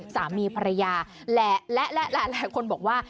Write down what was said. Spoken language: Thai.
สามีภรรยาและหลายคนบอกว่า